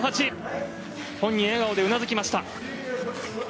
本人、笑顔でうなずきました。